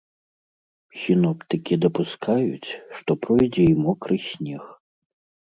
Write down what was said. Сіноптыкі дапускаюць, што пройдзе і мокры снег.